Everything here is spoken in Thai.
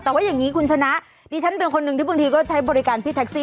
แต่ว่าอย่างนี้คุณชนะดิฉันเป็นคนหนึ่งที่บางทีก็ใช้บริการพี่แท็กซี่